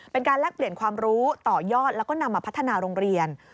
แลกเปลี่ยนความรู้ต่อยอดแล้วก็นำมาพัฒนาโรงเรียน